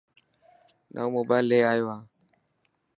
نئون موبائل لي آيو هان.